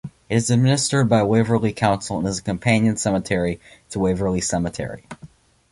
It is administered by Waverley Council and is a companion cemetery to Waverley Cemetery.